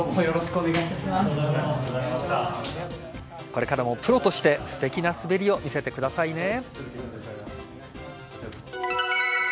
これからもプロとしてすてきな滑りを見せてくださいね。